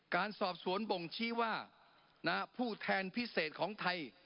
การสอบสวนบ่งชี้ว่าผู้แทนพิเศษของไทย